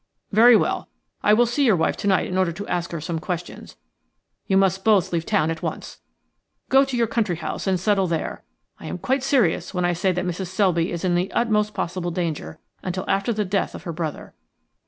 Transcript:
"Very well. I will see your wife tonight in order to ask her some questions. You must both leave town at once. Go to your country house and settle there. I am quite serious when I say that Mrs. Selby is in the utmost possible danger until after the death of her brother.